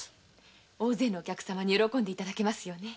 大勢のお客様に喜んで頂けますよね。